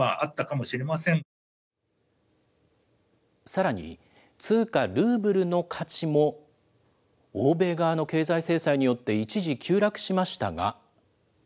さらに通貨、ルーブルの価値も、欧米側の経済制裁によって一時急落しましたが。